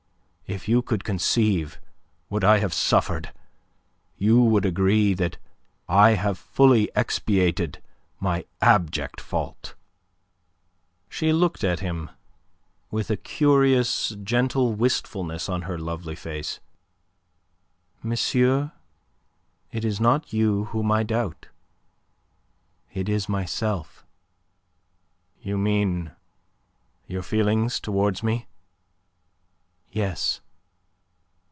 If you could conceive what I have suffered, you would agree that I have fully expiated my abject fault." She looked at him with a curious, gentle wistfulness on her lovely face. "Monsieur, it is not you whom I doubt. It is myself." "You mean your feelings towards me?" "Yes."